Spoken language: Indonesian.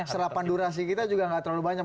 serapan durasi kita juga nggak terlalu banyak